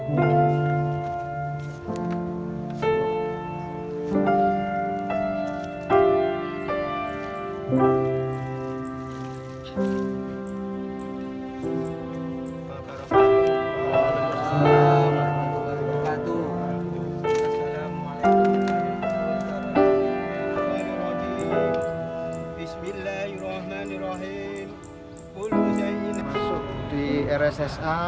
masuk di rssa